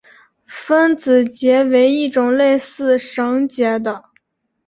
分子结为一种类似绳结的。